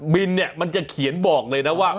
บินเนี่ยมันจะเขียนบอกเลยนะว่า